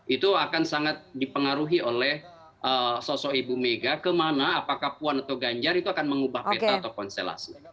itu akan sangat dipengaruhi oleh sosok ibu mega kemana apakah puan atau ganjar itu akan mengubah peta atau konstelasi